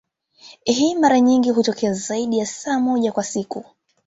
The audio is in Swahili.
Hii mara nyingi hutokea zaidi ya saa moja kwa siku.